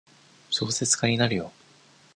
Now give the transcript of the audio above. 小説家になるよ。